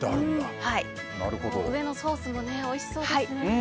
上のソースもおいしそうですね。